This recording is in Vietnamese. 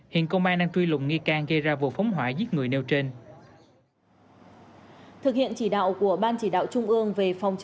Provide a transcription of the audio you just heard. hiện công an đang truy lùng nghi can gây ra vụ phóng hỏa giết người nêu trên